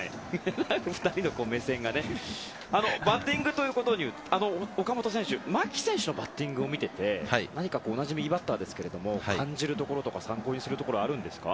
バッティングということで岡本選手は牧選手のバッティングを見ていて何か同じ右バッターですが感じるところとか参考にするところはあるんですか？